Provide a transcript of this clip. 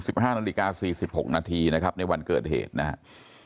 สิบห้านาลิกา๔๖นาทีในวันเกิดเหตุนะครับ